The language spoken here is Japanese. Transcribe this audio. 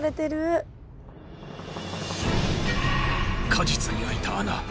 果実にあいた穴。